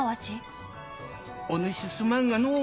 おぬしすまんがのう。